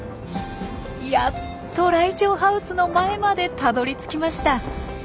やっとライチョウハウスの前までたどりつきました。